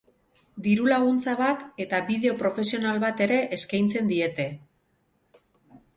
Diru laguntza bat eta bideo profesional bat ere eskeintzen diete.